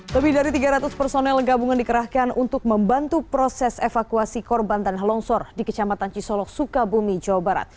lebih dari tiga ratus personel gabungan dikerahkan untuk membantu proses evakuasi korban tanah longsor di kecamatan cisolok sukabumi jawa barat